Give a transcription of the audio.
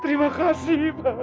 terima kasih pak hasan